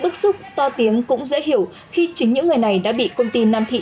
bức xúc to tiếng cũng dễ hiểu khi chính những người này đã bị công ty nam thị